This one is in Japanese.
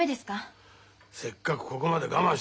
せっかくここまで我慢したんだ。